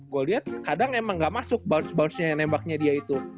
gue liat kadang emang ga masuk bounce bounce nya yang nembaknya dia itu